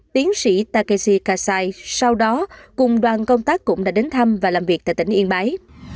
tiến sĩ takeshi kasai sau đó cùng đoàn công tác cũng đã đến thăm và làm việc tại tỉnh yên bái